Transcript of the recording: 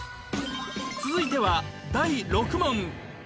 続いては第６問